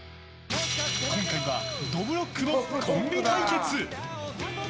今回は、どぶろっくのコンビ対決。